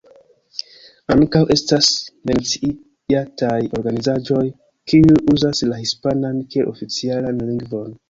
Ankaŭ estas menciataj organizaĵoj kiuj uzas la hispanan kiel oficialan lingvon.